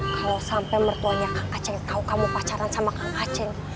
kalau sampai mertuanya kak ngaceng tau kamu pacaran sama kak ngaceng